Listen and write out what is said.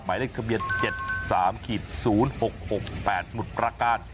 หมายเลขทะเบียน๗๓๐๖๖๘สมุทรประการ